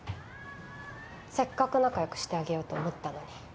せっかく仲良くしてあげようと思ったのに。